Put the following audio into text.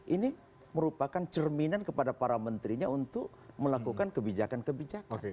ini merupakan cerminan kepada para menterinya untuk melakukan kebijakan kebijakan